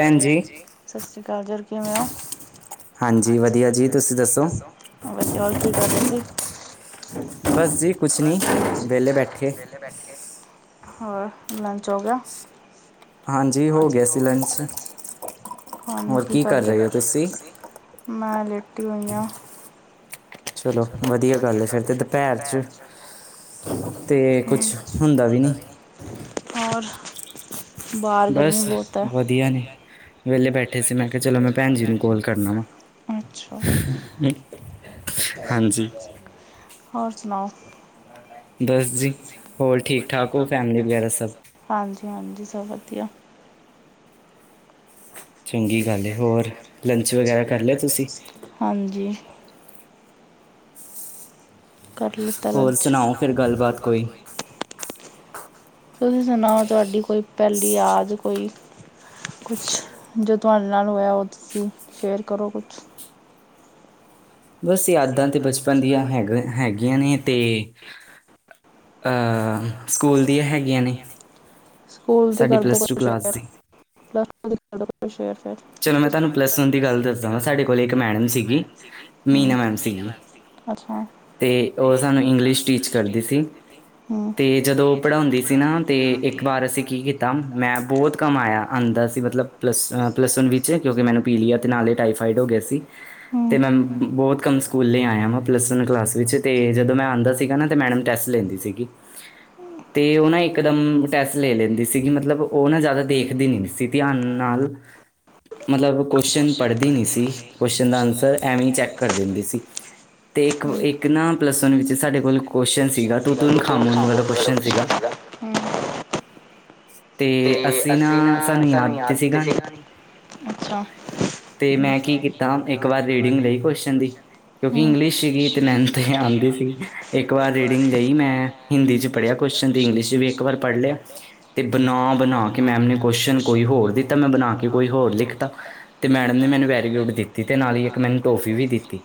ਕੱਲ ਭੈਣ ਜੀ, ਸਤਿ ਸ੍ਰੀ ਅਕਾਲ ਜੀ, ਕਿਵੇਂ ਹੋ? ਹਾਂਜੀ ਵਧੀਆ ਜੀ, ਤੁਸੀ ਦੱਸੋ ਵਧੀਆ ਹੋਰ ਕੀ ਕਰ ਰਹੇ ਸੀ ਬਸ ਜੀ ਕੁਛ ਨਹੀ ਵੇਹਲੇੇ ਬੈਠੇ ਹੋਰ ਲੰਚ ਹੋ ਗਿਆ। ਹਾਂਜੀ ਹੋ ਗਿਆ ਸੀ ਲੰਚ ਕੰਣ ਕੀ ਕਰਦੇ ਮੈਂ ਲੇਟੀ ਹੋਈ ਹਾਂ ਚਲੋ ਵਧੀਆ ਗੱਲ ਹੈ ਫੇਰ ਤੇ ਦੁਪਹਿਰ ਚ ਤੇ ਕੁਛ ਹੁੰਦਾ ਵੀ ਨਹੀ ਹੋਰ ਬਸ ਵਧੀਆ ਨੇ ਵੇਲੇ ਬੈਠੇ ਸੀ, ਮੈਂ ਕਿਹਾ ਚਲੋ ਮੈਂ ਭੈਣ ਜੀ ਨੂੰ ਕਲ ਕਰਨਾ ਵਾ [unintelligible] ਹਾਂਜੀ। ਹੋਰ ਸੁਣਾਓ ਬਸ ਜੀ ਹੋਰ ਠੀਕ ਠਾਕ ਹੋ ਫੈਮਲੀ ਵਗੈਰਾ ਸਭ। ਹਾਂਜੀ ਸਭ ਵਧੀਆ ਚੰਗੀ ਗੱਲ ਐ, ਹੋਰ ਲੰਚ ਵਗੈਰਾ ਕਰ ਲਿਆ ਤੁਸੀਂ ਕਰ ਲਿੱਤਾ ਲੰਚ ਤੁਸੀਂ ਸੁਣਾਔ, ਤੁਹਾਡੀ ਕੋਈ ਪਹਿਲੀ ਯਾਦ ਕੋਈ ਕੁਛ, ਜੋ ਤੁਹਾਡੇ ਨਾਲ ਹੋਇਆ ਔ ਤੁਸੀਂ ਸ਼ੇਅਰ ਕਰੋ ਕੁਛ ਬਸ ਯਾਦਾਂ ਤਾਂ ਬਚਪਨ ਦੀਆਂ ਹੈਗਾ ਹੈਗੀਆਂ ਨੇ ਤੇ ਸਕੂਲ ਦੀਆਂ ਹੈਗੀਆਂ ਨੇ ਸਕੂਲ ਦੀ ਕਰੋ ਤੁਸੀ ਐਦਰ, ਗੱਲ ਕਰੋ ਕੌਈ ਸ਼ੈਅਰ ਚਲੋ ਮੈਂ ਤੁਹਾਨੂੰ ਪਲੱਸ ਵਨ ਦੀ ਗੱਲ ਦੱਸਦਾ ਵਾਂ, ਸਾਡੇ ਕੋਲ ਇੱਕ ਮੈਡਮ ਸੀਗੀ, ਮੀਨਾ ਮੈਡਮ ਸੀਗੀ ਅਛਾ ਤੇ ਉਹ ਸਾਨੂੰ ਇੰਗਲਿਸ਼ ਟੀਚ ਕਰਦੀ ਸੀ ਤੇ ਜਦੋਂ ਉਹ ਪੜ੍ਹਾਉਂਦੀ ਸੀ ਨਾ, ਤੇ ਇੱਕ ਵਾਰ ਅਸੀਂ ਕੀ ਕੀਤਾ ਮੈਂ ਬਹੁਤ ਕਮਾਇਆ ਅੰ ਸੀ ਮਤਲਬ ਪਲ ਪਲੱਸ ਵਨ ਵਿੱਚ, ਕਿਉਂਕਿ ਮੈਨੂੰ ਪੀਲੀਆ ਤੇ ਨਾਲ ਹੀ ਟਾਈਫਾਈਡ ਹੋ ਗਿਆ ਸੀ ਤੇ ਮੈਂ ਬਹੁਤ ਕੰਮ ਸਕੂਲ ਲਈ ਆਇਆ ਵੈਂ ਪਲੱਸ ਵਨ ਕਲਾਸ ਵਿੱਚ ਅਤੇ ਜਦੋਂ ਮੈਂ ਆਉਂਦਾ ਸੀਗਾ ਨਾ ਤਾਂ ਮੈਡਮ ਟੈਸਟ ਲੈਂਦੀ ਸੀਗੀ [inaudible] ਤੇ ਉਹ ਨਾ ਇਕ ਦਮ ਟੈਸਟ ਲੈ ਲੈਂਦੀ ਸੀਗੀ ਮਤਲਬ ਉਹ ਨਾ ਜ਼ਿਆਦਾ ਦੇਖਦੀ ਨੀ ਸੀ ਧਿਆਨ ਨਾਲ ਹੱਲ ਮਤਲਬ ਕੁਸ਼ਚਨ ਪੜ੍ਹਦੀ ਨਹੀਂ ਸੀ ਕੁਸ਼ਚਨ ਦਾ ਆਂਸਰ ਐਵੇਂ ਹੀ ਚੈੱਕ ਕਰ ਦਿੰਦੀ ਸੀ ਤੇ ਇੱਕ ਨਾ ਪਲੱਸ ਵਨ ਵਿੱਚ ਸਾਡੇ ਕੋਲ ਕੁਸ਼ਚਨ ਸੀਗਾ ਤੂੰ ਤੂਨ ਖਾਮੋਨ ਵਾਲਾ ਕੁਸਂਚਨ ਸੀਗਾ ਹਮ ਤੇ ਅਸੀਂ ਨਾ ਸਾਨੂੰ ਯਾਦ ਤੇ ਸੀਗਾ ਨੀ ਤੇ ਮੈਂ ਕੀ ਕੀਤਾ ਇੱਕ ਵਾਰ ਰੀਡਿੰਗ ਲਈ ਕਵਸ਼ਨ ਦੀ, ਕਿਉਂਕਿ ਇੰਗਲਿਸ਼ ਸੀਗੀ, ਤੇ ਮੈਨੂੰ ਤੇ ਐ ਆਂਦੀ ਨ ਇੱਕ ਵਾਰ ਰੀਡਿੰਗ ਲਈ ਮੈਂ ਹਿੰਦੀ ਚ ਪੜ੍ਹਿਆ ਕੁਵਸ਼ਨ, ਤੇ ਇੰਗਲਿਸ਼ ਚ ਵੀ ਇੱਕ ਵਾਰ ਪੜ੍ਹ ਲਿਆ ਤੇ ਬਣਾ ਬਣਾ ਕੇ ਮੈਮ ਨੇ ਕੁਵਸ਼ਨ ਕੋਈ ਹੋਰ ਦਿੱਤਾ, ਮੈਂ ਬਣਾ ਕੇ ਕੋਈ ਹੋਰ ਲਿਖਤਾ, ਤੇ ਮੈਡਮ ਨੇ ਮੈਨੂੰ ਵੈਰੀ ਗੁਡ ਦਿੱਤੀ, ਤੇ ਨਾਲ ਹੀ ਇੱਕ ਮੈਨੂੰ ਟੋਫੀ ਵੀ ਦਿੱਤੀ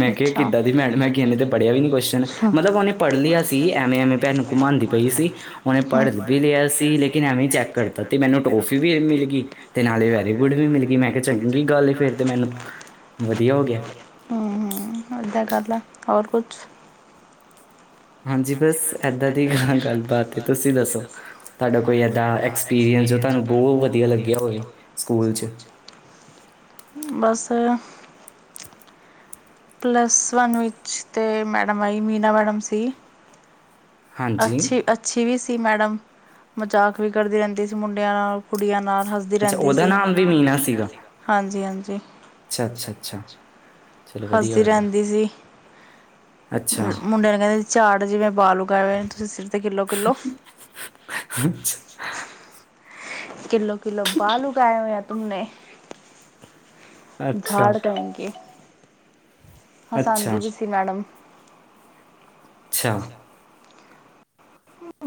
ਮੈਂ ਕਿਹਾ ਕਿੱਦਾਂ ਦੀ ਮੈਡਮ ਐ, ਕਿ ਇਹਨੇ ਤੇ ਪੜਿਆ ਵੀ ਨੀ ਕੁਵਸ਼ਨ, ਮਤਲਬ ਔਨੇ ਪੜ੍ਹ ਲਿਆ ਸੀ, ਐਵੇਂ ਐਵੇਂ ਪੈਨ ਘੁਮਾਉਂਦੀ ਪਈ ਸੀ ਔਨੇ ਪੜ੍ਹ ਵੀ ਲਿਆ ਸੀ, ਲੇਕਿਨ ਐਵੇਂ ਚੈੱਕ ਕਰਤਾ ਤੇ ਮੈਨੂੰ ਟੋਫੀ ਵੀ ਮਿਲ ਗਈ ਤੇ ਨਾਲੇ ਵੈਰੀ ਗੁੱਡ ਵੀ ਮਿਲ ਗਈ ਮੈਂ ਕਿਹਾ ਮੈਂ ਕੇਹਾ ਚੰਗੀ ਗੱਲ ਏ, ਵਧੀਆ ਹੋ ਗਯਾ, ਹੂ ਹੂ ਹੋਰ ਕੁਛ ਹਾਂਜੀ ਬਸ ਐਦਾਂ ਦੀ ਹਾਂ ਗੱਲਬਾਤ ਐ, ਤੁਸੀਂ ਦੱਸੋ ਤੁਹਾਡਾ ਕੋਈ ਏਦਾਂ ਐਕਸਪੀਰੀਅੰਸ ਤੁਹਾਨੂੰ ਬਹੁਤ ਵਧੀਆ ਲੱਗਿਆ ਹੋਵੇ, ਸਕੂਲ 'ਚ ਬਸ ਪਲੱਸ ਵਨ ਵਿੱਚ ਤਾਂ ਮੈਡਮ ਆਈ ਮੀਨਾ ਮੈਡਮ ਸੀ ਅੱਛੀ -ਅੱਛੀ ਵੀ ਸੀ ਮੈਡਮ ਮਜ਼ਾਕ ਵੀ ਕਰਦੀ ਰਹਿੰਦੀ ਸੀ, ਮੁੰਡਿਆਂ ਨਾਲ ਕੁੜੀਆਂ ਨਾਲ ਹੱਸਦੀ ਰਹਿੰਦੀ ਸੀ, ਹਾਂਜੀ ਹਾਂਜੀ ਹੱਸਦੀ ਰਹਿੰਦੀ ਸੀ ਮੁੰਡੇ ਨੂੰ ਕਹਿੰਦੇ ਝਾੜ ਜਿਵੇਂ ਬਾਲ ਉਗਾ ਹੋਏ ਐ ਤੁਸੀਂ ਸਿਰ ਤੇ, ਕਿੱਲੋ ਕਿੱਲੋ। ਅੱਛਾ ਕਿੱਲੋ ਕਿੱਲੋ ਬਾਲ ਉਗਾਏ ਹੋਏਆ ਤੂੰਮ ਨੇ। ਝਾੜ ਕਹੁਗੀ। ਹਸਾਂਦੀ ਵੀ ਸੀ ਮੈਡਮ। ਅੱਛਾ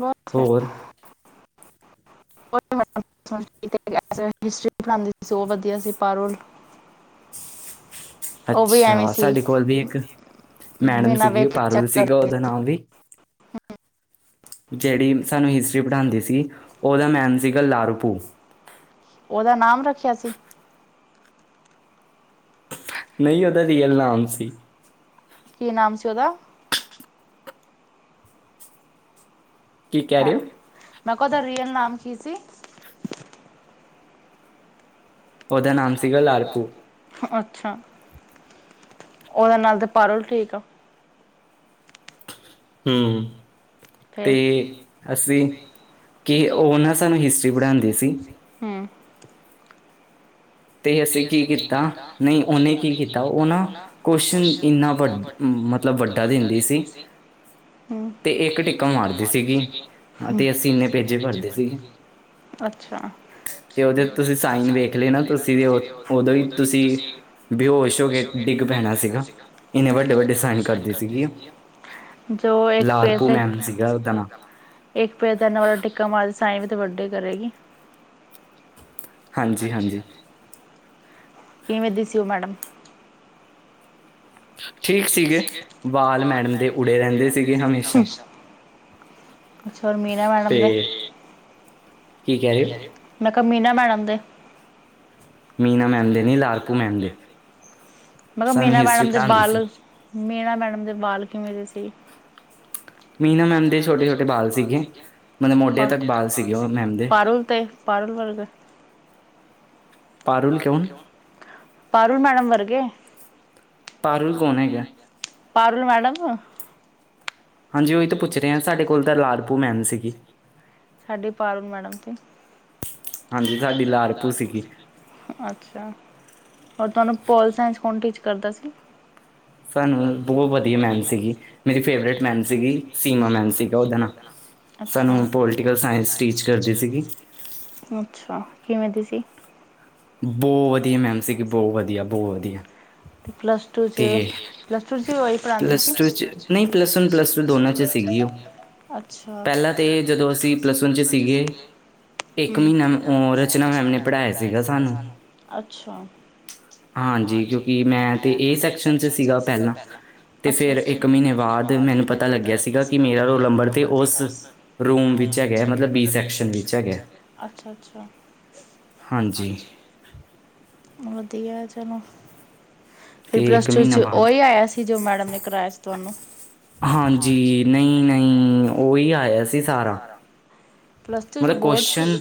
ਵੱਖ ਐ [unintelligible] ਔ ਤੁਹਾਨੂੰ ਹਿਸਟਰੀ ਪਣਾਉਂਦੀ ਸੀ, ਔ ਵਧੀਆ ਸੀ ਪਾਰੁਲ। ਅੱਛਾ ਸਾਡੇ ਕੋਲ ਵੀ ਇੱਕ ਮੈਡਮ ਸੀਗੀ, ਔ ਪਾਰੁਲ ਸੀਗਾ, ਔਦਾ ਨਾਂ ਵੀ। ਹੂ ਜਿਹੜੀ ਸਾਨੂੰ ਹਿਸਟਰੀ ਪੜ੍ਹਾਉਂਦੀ ਸੀ ਔਦਾ ਨਾਮ ਸੀਗਾ ਲਾਰੂਪੂ। ਔਦਾ ਨਾਮ ਰੱਖਿਆ ਸੀ। ਨਹੀਂ ਔਦਾ ਰੀਅਲ ਨਾਮ ਸੀ ਕੀ ਨਾਮ ਸੀ ਉਹਦਾ ਕੀ ਕਹਿ ਰਿਓ। ਮੈਂ ਕਿਹਾ ਉਹਦਾ ਰੀਅਲ ਨਾਮ ਕੀ ਸੀ। ਉਹਦਾ ਨਾਮ ਸੀਗਾ ਲਾਰਕੂ ਅੱਛਾ ਉਹਦੇ ਨਾਲ ਤੇ ਪਾਰਲ ਠੀਕ ਆ। ਹੂੰ ਤੇ ਅਸੀਂ। ਕਿ ਉਹ ਨਾ ਸਾਨੂੰ ਹਿਸਟਰੀ ਪੜਣਾਉਂਦੇ ਸੀ ਤੇ ਅਸੀਂ ਕੀ ਕੀਤਾ ਨਹੀਂ ਉਹਨੇ ਕੀ ਕੀਤਾ ਉਹ ਨਾ ਕੁਸ਼ਨ ਇੰਨਾ ਵੱ ਮਤਲਬ ਵੱਡਾ ਦਿੰਦੀ ਸੀ। ਤੇ ਇਹ ਟਿੱਕਾ ਮਾਰਦੀ ਸੀਗੀ ਅਤੇ ਅਸੀਨੇ ਭੇਜ ਭਰਦੀ ਸੀ। ਅੱਛਾ, ਤੇ ਔਦੇ ਤੁਸੀਂ ਸਾਈਨ ਵੇਖ ਲਏ ਨਾ। ਸੀ, ਔਦੋਂ ਹੀ ਤੁਸੀਂ ਬੇਹੋਸ਼ ਹੋ ਕੇ ਡਿਗ ਪੈਣਾ ਸੀਗਾ। ਜੋ ਇੱਕ ਇੱਕ ਪੈਜ ਤੇ, ਐਨਾ ਵੱਡਾ ਟੀਕਾ ਮਾਰ ਸਾਈ ਵੀ ਤੇ ਵੱਡੇ ਕਰੇਗੀ, ਹਾਂਜੀ ਹਾਂਜੀ ਕਿਵੇਂ ਦੀ ਸੀ ਔਹ ਮੈਡਮ। ਠੀਕ ਸੀਗੇ ਵਾਲ ਮੈਡਮ ਦੇ ਉੜੇ ਰਹਿੰਦੇ ਸੀਗੇ ਹਮੇਸ਼ਾ ਅੱਛਾ ਹੋਰ ਮੀਨਾ ਮੈਡਮ ਦੇੈਂ ਮੀਨਾ ਮੈਡਮ ਦੇ। ਮੈਂ ਕਿਹਾ ਮੀਨਾ ਮੈਡਮ ਦੇ ਬਾਲ ਮੀਣਾ ਮੈਡਮ ਦੇ ਬਾਲ ਕਿਵੇਂ ਦੇ ਸੀ। ਮੀਨਾ ਮੈਮ ਦੇ ਛੋਟੇ ਛੋਟੇ ਬਾਲ ਸੀਗੇ ਪਾਰੁਲ ਤੇ ਪਾਰਲ ਵਰਗਾ। ਪਾਰੂਲ ਮੈਡਮ ਵਰਗੇ ਪਾਰਲ ਮੈਡਮ ਸਾਡੀ ਪਾਵਰ ਮੈਡਮ ਸੀ। ਅਸੀਂ ਤੁਹਾਡੀ ਲਾਲ ਪੁਰ ਸੀਗੀ ਅੱਛਾ। ਔਰ ਤੁਹਾਨੂੰ ਪੋਲ ਸਾਇਸ ਕੌਣ ਟੀਚ ਕਰਦਾ ਸੀ। ਸਾਨੂੰ ਬਹੁਤ ਵਧੀਆ ਮੈਨ ਸੀਗੀ ਮੇਰੀ ਫੇਵਰੇਟ ਮੈਨ ਸੀਗੀ। ਸੀਮਾ ਮੈਨ ਸੀ ਉਹਦਾ ਨ ਸਾਨੂੰ ਪੋਲੀਟੀਕਲ ਸਾਇੰਸ ਟੀਚਰ ਕਰਦੀ ਸੀਗੀ। ਅੱਛਾ ਕਿਵੇਂ ਦੀ ਸੀ। ਬਹੁਤ ਵਧੀਆ ਮੈਮ ਸੀਗੀ ਬਹੁਤ ਵਧੀਆ ਬਹੁਤ ਵਧੀਆ। ਪਲੱਸ ਟੂ 'ਚ ਪਲੱਸ ਟੂ 'ਚ ਉਹਹੀ ਪੜ੍ਹਾਦੀ ਸੀ। ਸੀ ਪਹਿਲਾਂ ਜਦੋਂ ਅਸੀ ਪਲੱਸ ਵਨ ਚ ਸੀ। ਇੱਕ ਮਹੀਨਾ ਰਚਨਾ ਮੈਡਮ ਨੇ ਪੜ੍ਹਾਇਆ ਸੀਗਾ ਸਾਨੂੰ। ਹਾਂਜੀ ਕਿਉਂਕਿ ਮੈਂ। ਤੇ ਏ ਐਕਸ਼ਨ ਚ ਸੀਗਾ ਪਹਿਲਾਂ ਤੇ ਫਿਰ ਇੱਕ ਮਹੀਨੇ ਬਾਅਦ। ਪਤਾ ਲੱਗ ਗਿਆ ਸੀਗਾ ਕਿ ਮੇਰਾ ਰੋਲ ਨੰਬਰ ਤੇ ਉਸ ਰੂਮ ਵਿੱਚ ਹੈਗੇ ਮਤਲਬ ਬੀ ਸੈਕਸ਼ਨ ਰੂਮ ਵਿੱਚ ਹੈਗਾ ਮਤਲਬ ਅੱਛਾ ਅੱਛਾ। ਹਾਂਜੀ। ਵਧੀਆ ਚਲੋ। ਆਇਆ ਸੀ ਜੋ ਮੈਡਮ ਨੇ ਕਰਾਇਆ ਸੀ। ਹਾਂਜੀ ਨਹੀਂ ਨਹੀਂ ਵੀ ਲਾਇਆ ਸੀ ਸਾਰਾ। ਮਤਲਬ ਕੁਸ਼ਨ।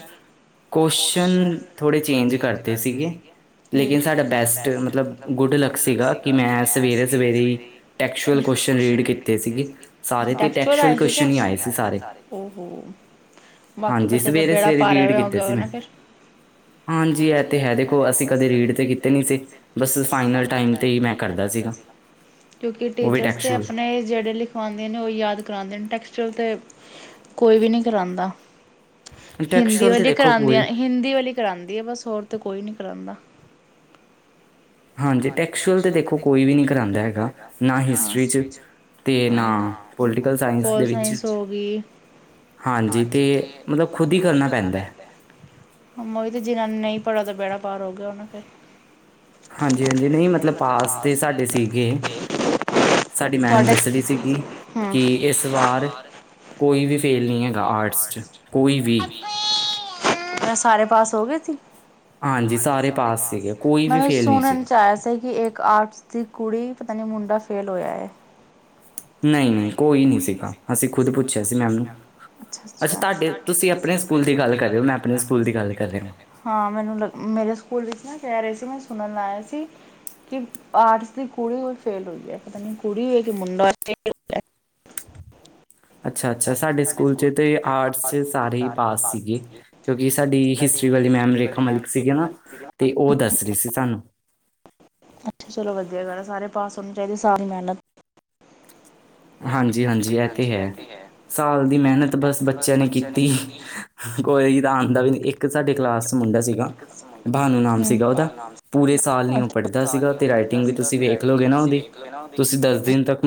ਕੁਸ਼ਚਨ ਥੋੜੀ ਚੇਂਜ ਕਰਤੇ ਸੀਗੇ ਲੇਕਿਨ ਸਾਡਾ ਬੈਸਟ ਮਤਲਬ ਇਲੈਕਟ ਸੀਗਾ ਕਿ ਮੈਂ ਸਵੇਰੇ ਸਵੇਰੇ ਟੈਕਸੀਅਲ ਕੁਸਚਨ ਰੀਡ ਕੀਤੇ ਸੀ। ਸਾਰੇ ਤੇ ਟੈਕਸਲ ਕੁਸਚਨ ਨਹੀਂ ਆਏ ਸੀ ਸਾਰੇ ਜਿਸ ਵੇਲੇ ਸਵੇਰੇ-ਸਵੇਰੇ ਟੀਟ ਕੀਤੇ ਸੀ ਮੈ, ਹਾਂਜੀ ਐ ਤੇ ਹੈ ਦੇਖੋ ਅਸੀਂ ਕਦੇ ਰੀਡ ਤੇ ਕੀਤੇ ਨਹੀਂ ਸੀ ਫਾਈਨਲ ਟਾਈਮ ਤੇ ਹੀ, ਕਿਉਂਕਿ ਟੀਚਰਸ ਨੇ ਆਪਣੇ, ਜਿਹੜੇ ਲਿਖਵਾਉਂਦੇ ਨੇ ਉਹ ਯਾਦ ਕਰਾਉਂਦੇ ਨੇ ਟੈਕਸਚਰ ਤੇ ਕੋਈ ਵੀ ਨਹੀਂ ਕਰਾਉਂਦਾ। ਹਿੰਦੀ ਵਾਲੀ ਕਰਾਦੀਆਂ ਹਿੰਦੀ ਵਾਲੀ ਕਰਾਂਦੀ ਐ ਬਸ ਹੋਰ ਤਾਂ ਕੋਈ ਕਰਾਦਾ। ਹਾਂਜੀ ਐਕਸਲ ਤੇ ਦੇਖੋ ਕੋਈ ਵੀ ਨਹੀਂ ਕਰਾਦਾ ਹੈਗਾ ਨਾ ਹਿਸਟਰੀ ਚ, ਤੇ ਨਾ ਪੋਲੀਟੀਕਲ ਸਾਇੰਸ ਦੇ ਵਿੱਚ, ਹਾਂਜੀ, ਤੇ ਮਤਲਬ ਖੁਦ ਹੀ ਕਰਨਾ ਪੈਂਦਾ। ਮਾਈ ਦੇ ਜਿਨਾਂ ਨੇ ਨਹੀਂ ਪੜਾ ਤਾ ਬੇੜਾ ਪਾਰ ਹੋ ਗਿਆ ਉਹਨਾ ਤੇ, ਹਾਂਜੀ-ਹਾਂਜੀ ਨਹੀਂ ਮਤਲਬ ਪਾਸ ਤੇ ਸਾਡੇ ਸੀਗੇ। ਸਾਡੀ ਮੈਡਮ ਦੱਸ ਰਹੀ ਸੀਗੀ ਕਿ ਇਸ ਵਾਰ, ਕੋਈ ਵੀ ਫੀਲ ਨਹੀਂ ਹੈਗਾ ਆਰਟਸ ਚ ਕੋਈ ਵੀ, ਅ ਹੋ ਗਏ ਸੀ ਹਾਂਜੀ ਸਾਰੇ ਪਾਸ। ਨਹੀਂ ਚਾਹਿਆ ਸੀ ਕਿ ਇੱਕ ਆਰਟਸ ਦੀ ਕੁੜੀ ਪਤਾ ਨਹੀਂ ਮੁੰਡਾ ਫੇਲ ਹੋਇਆ। ਨਹੀਂ ਨਹੀਂ ਕੋਈ ਨਹੀਂ ਸੀਗਾ। ਅਸੀਂ ਖੁਦ ਪੁੱਛਿਆ ਸੀ ਮੈਮ। ਤੁਸੀਂ ਆਪਣੇ ਸਕੂਲ ਦੀ ਗੱਲ ਕਰ ਹਾਂ ਮੈਨੂੰ ਮੇਰੇ ਸਕੂਲ ਕਹਿ ਰਹੇ ਸੀ ਮੈਂ ਸੁਣਨ ਆਇਆ ਸੀ। ਆਰਟਸ ਦੀ ਕੁੜੀ ਵੀ ਫੇਲ ਹੋਈ ਪਤਾ ਨਹੀਂ ਮੁੰਡਾ ਕਿ ਕੁੜੀ। ਖਾਲੀ ਅੱਛਾ ਅੱਛਾ ਸਾਡੇ ਸਕੂਲ ਚ ਤੇ ਆਰਟਸ ਸਾਰੇ ਜਿਹੜੀ ਮੈਡਮ ਰੇਖਾ ਮਲਕ ਸੀ। ਨਾ ਉਹ ਦੱਸ ਰਹੇ ਸੀਗੇ ਸਾਨੂੰ। ਚਲੋ ਵਧੀਆ ਕਰ ਸਾਰੇ ਪਾਸ ਨੂੰ ਚਾਹੀਦੇ ਸਾਰੇ, ਹਾਂਜੀ-ਹਾਂਜੀ ਇਹ ਤੇ ਹੈ, ਸਾਲ ਦੀ ਮਿਹਨਤ ਬਸ ਬੱਚਿਆਂ ਨੇ ਕੀਤੀ ਕੋਈ, ਜਾਣਦਾ ਮੈਨੂੰ ਇੱਕ ਸਾਡੇ ਕਲਾਸ, ਮੁੰਡਾ ਸੀਗਾ ਬਾਨਾ ਨਾਮ ਸੀਗਾ ਉਹਦਾ ਪੂਰੇ ਸਾਲ ਨਹੀਂ ਉਹ ਪੜਦਾ ਸੀਗਾ ਤੇ ਰਾਈਟਿੰਗ ਵੀ ਤੁਸੀਂ ਵੇਖੋ, ਨਿਕਲ ਗਏ ਨਾ ਉਹਦੀ ਤੁਸੀਂ ਮਤਲਬ ਕਿ ਨਾ ਉਹਦੀ ਤੁਸੀਂ ਦਸ ਦਿਨ ਤੱਕ,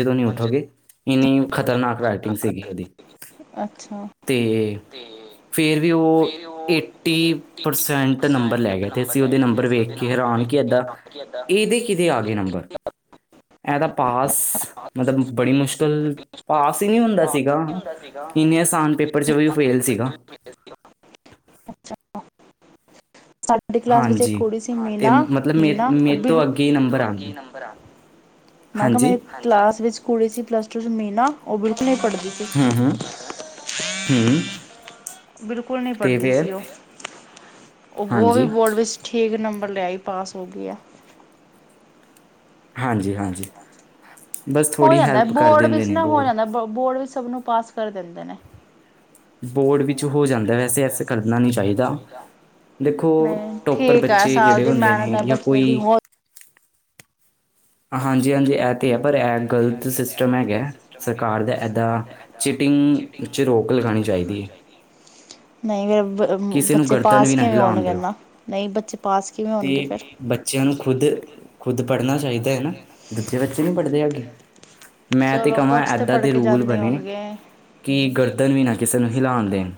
ਜਦੋਂ ਨਹੀਂ ਉੱਠਾਂਗੇ ਇਨੀ ਖਤਰਨਾਕ ਰਾਤੀ ਸੀਗੀ ਉਹਦੀ ਤੇ ਫੇਰ ਵੀ ਉਹ ਐਟੀ ਪਰਸੈਂਟ ਨੰਬਰ ਲੈ ਗਏ ਤੇ ਅਸੀਂ ਉਹਦੇ ਨੰਬਰ ਵੇਖ ਕੇ ਰੌਣਕੀ ਦਾ, ਇਹਦੀ ਕਿਹਦੇ ਆ ਗਏ ਨੰਬਰ, ਇਹਦਾ ਪਾਸ ਮਤਲਬ ਬੜੀ ਮੁਸ਼ਕਿਲ ਆਸ ਨਹੀਂ ਹੁੰਦਾ ਸੀਗਾ। ਇੰਨੇ ਆਸਾਨ ਪੇਪਰ ਚ ਵੀ ਔ ਫੇਲ ਸੀਗਾ। ਅੱਛਾ, ਸਾਡੀ ਕਲਾਸ ਵਿੱਚ ਅਸੀਂ ਖੋੜੀ ਸੀ ਮੇਲਾ-ਮੇਲਾ ਤੋਂ ਅੱਗੇ ਨੰਬਰ ਆ ਮੈਂ ਕਿਹਾ ਮੈਂ ਕਲਾਸ ਵਿੱਚ ਕੁੜੀ ਸੀ ਪਲਸ ਟੂ ਚ ਮੇਲਾ ਉਹ ਵੀ ਣੀ ਪੜਦੀ ਸੀ, ਬਿਲਕੁਲ ਨਹੀਂ ਪੜ੍ਹਦੀ ਸੀ ਉਹ। ਉਹ ਵੀ ਬੋਰਡ ਵਿੱਚ ਠੀਕ ਨੰਬਰ ਲਿਆਈ, ਪਾਸ ਹੋ ਗਈ ਆ। ਹਾਂਜੀ-ਹਾਂਜੀ। ਹੋ ਜਾਂਦਾ ਬੋਰਡ ਵਿੱਚ ਨਾ ਹੋ ਜਾਂਦਾ, ਬੋਰਡ ਵਿੱਚ ਸਭ ਨੂੰ ਪਾਸ ਕਰ ਦਿੰਦੇ ਨੇ। ਬੋਰਡ ਵਿੱਚ ਹੋ ਜਾਂਦਾ ਵੈਸੇ ਐਸੇ ਕਰਨਾ ਨਹੀਂ ਚਾਹੀਦਾ। ਦੇਖੋ ਟੋਪਰ ਬੱਚੇ ਜਿਹੜੇ ਹੁੰਦੇ ਨੇ ਜਾਂ ਕੋਈ ਹਾਂਜੀ-ਹਾਂਜੀ ਐ ਤੇ ਹੈ, ਪਰ ਇਹ ਗਲਤ ਸਿਸਟਮ ਹੈਗਾ, ਸਰਕਾਰ ਦਾ ਏਦਾਂ ਚਿਟਿੰਗ ਚ ਰੋਕ ਲ ਚੀਟਿੰਗ ਚ ਰੋਕ ਲਗਾਣੀ ਚਾਹੀਦੀ ਐ। ਨਹੀਂ ਫੇਰ ਬੱਚੇ ਪਾਸ ਕਿਵੇਂ ਹੋਣਗੇ? ਨਹੀਂ ਬੱਚੇ ਤੇ ਬੱਚਿਆਂ ਨੂੰ ਖੁਦ-ਖੁਦ ਪੜ੍ਹਨਾ ਚਾਹੀਦਾ ਏ ਨਾ। ਦੂਜੇ ਬੱਚੇ ਨਹੀਂ ਪੜ੍ਹਦੇ ਹੈਗੇ, ਮੈਂ ਤੇ ਕਹਾਂ ਏਦਾਂ ਦੇ ਰੂਲ ਬਣੇ ਕੀ ਗਰਦਨ ਵੀ ਨਾ ਕਿਸੇ ਨੂੰ ਹਿਲਾਉਣ ਦੇਣ।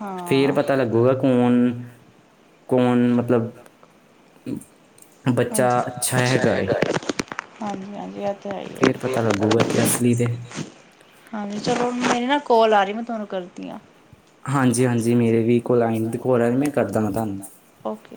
ਹਾਂ। ਕੌਣ ਮਤਲਬ ਬੱਚਾ ਅੱਛਾ ਹੈਗਾ ਏ। ਹਾਂਜੀ ਹਾਂਜੀ ਐ ਹਾਂਜੀ, ਚਲੋ ਮੇਰੀ ਨਾ ਕੋਲ ਆ ਰਹੀ ਮੈਂ ਤੁਹਾਨੂੰ ਕਰਦੀ ਆ। ਹਾਂਜੀ ਹਾਂਜੀ, ਮੇਰੇ ਵੀ ਕੋਲ ਆਈ ਓਕੇ।